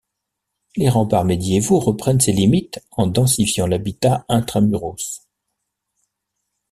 Les remparts médiévaux reprennent ces limites en densifiant l’habitat intra-muros.